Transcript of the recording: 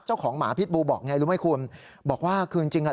หมาพิษบูบอกไงรู้ไหมคุณบอกว่าคือจริงจริงอ่ะ